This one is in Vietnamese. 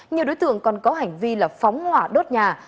nhiều đối tượng còn có hành vi là phóng hỏa đốt nhà